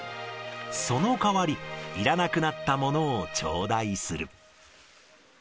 その代わり、いらなくなったものを頂戴する。